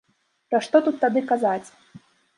Пра што тут тады казаць!